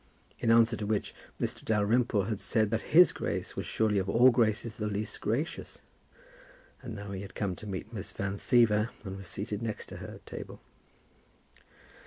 In answer to which, Mr. Dalrymple had said that his Grace was surely of all Graces the least gracious. And now he had come to meet Miss Van Siever, and was seated next to her at table.